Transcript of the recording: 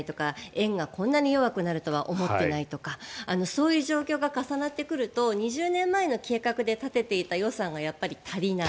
円がこんなに弱くなるとは思っていないとかそういう状況が重なってくると２０年前の計画で立てていた予算がやっぱり足りない。